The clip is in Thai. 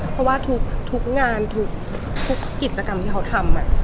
เพราะว่าทุกงานทุกกิจกรรมที่เขาทำ